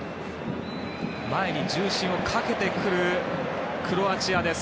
前に重心をかけてくるクロアチアです。